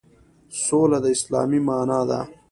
سوله د اسلام معنی ده